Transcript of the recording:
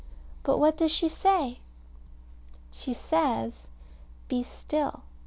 But what does she say? She says "Be still.